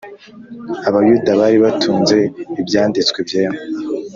Abayuda bari batunze Ibyanditswe Byera